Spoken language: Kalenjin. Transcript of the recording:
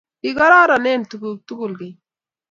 Kigororonen tuguk tugul keny